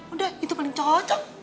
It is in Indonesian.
udah itu paling cocok